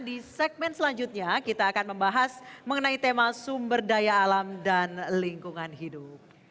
di segmen selanjutnya kita akan membahas mengenai tema sumber daya alam dan lingkungan hidup